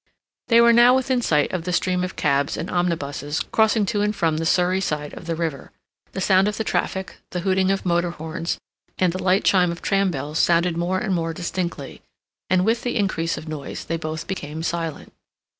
They were now within sight of the stream of cabs and omnibuses crossing to and from the Surrey side of the river; the sound of the traffic, the hooting of motor horns, and the light chime of tram bells sounded more and more distinctly, and, with the increase of noise, they both became silent.